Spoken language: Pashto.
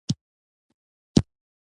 دوی باید د ژوند د دوام لپاره تولید وکړي.